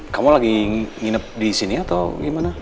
kamu lagi nginep disini atau gimana